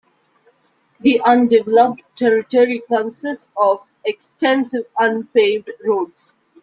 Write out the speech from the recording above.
The undeveloped territory consist of extensive unpaved roads.